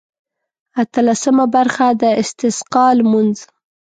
اتلسمه برخه د استسقا لمونځ.